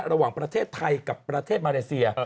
ระหว่างประเทศไทยกับประเทศมาเลเซีย